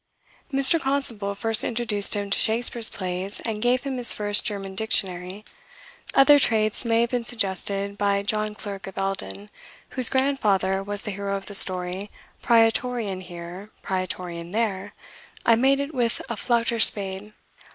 Mr. Constable first introduced him to Shakspeare's plays, and gave him his first German dictionary. Other traits may have been suggested by John Clerk of Eldin, whose grandfather was the hero of the story "Praetorian here, Praetorian there, I made it wi' a flaughter spade."